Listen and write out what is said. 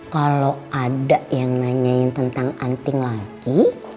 kalau ada yang nanyain tentang anting laki